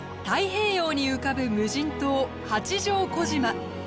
太平洋に浮かぶ無人島八丈小島。